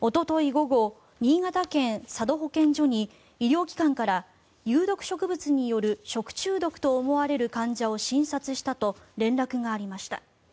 午後新潟県・佐渡保健所に医療機関から有毒植物による食中毒と思われる患者を診察したと連絡がありました。